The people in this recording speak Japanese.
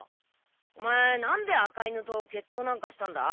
お前何で赤犬と決闘なんかしたんだ？